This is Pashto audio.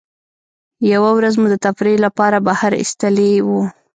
یوه ورځ مو د تفریح له پاره بهر ایستلي وو.